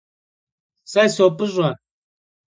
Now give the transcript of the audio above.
Se sop'ış'e.